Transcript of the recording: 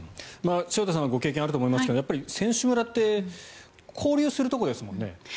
潮田さんはご経験あると思いますがやっぱり選手村って交流するところですもんね。